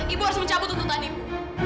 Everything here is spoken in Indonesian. ibu harus mencabut tuntutan ibu